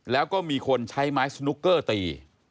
แล้วก็มีคนใช้ไม้สนุกเกอร์ตี